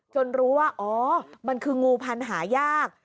รู้ว่าอ๋อมันคืองูพันธุ์หายาก